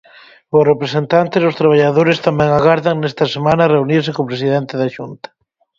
Os representantes dos traballadores tamén agardan nesta semana reunirse co presidente da Xunta.